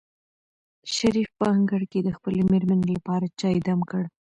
شریف په انګړ کې د خپلې مېرمنې لپاره چای دم کړ.